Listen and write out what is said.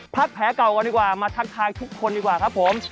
แผลเก่าก่อนดีกว่ามาทักทายทุกคนดีกว่าครับผม